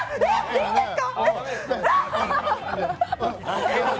いいんですか？